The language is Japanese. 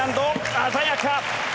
鮮やか！